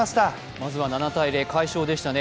まずは７−０快勝でしたね。